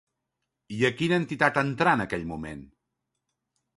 I a quina entitat entrà en aquell moment?